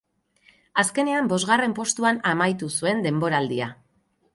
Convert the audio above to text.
Azkenean bosgarren postuan amaitu zuen denboraldia.